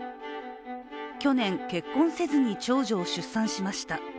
去年、結婚せずに長女を出産しました。